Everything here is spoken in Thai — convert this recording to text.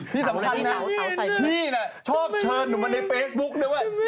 ที่สำคัญนะพี่น่ะชอบเชิญหนูมาในเฟซบุ๊กด้วย